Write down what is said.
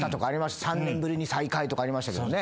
３年ぶりに再開とかありましたけどね。